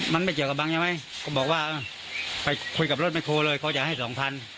มันไม่เจอกับบางใช่ไหมก็บอกว่าไปคุยกับรถไม่โครเลยเขาจะให้สองพัน